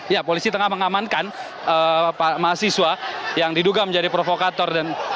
ya polisi tengah mengamankan mahasiswa yang diduga menjadi provokator